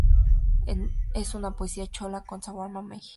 Es "una poesía chola con sabor a mamey.